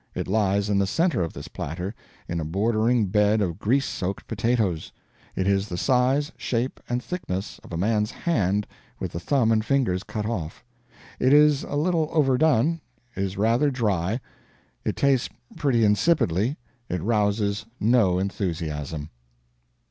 It lies in the center of this platter, in a bordering bed of grease soaked potatoes; it is the size, shape, and thickness of a man's hand with the thumb and fingers cut off. It is a little overdone, is rather dry, it tastes pretty insipidly, it rouses no enthusiasm.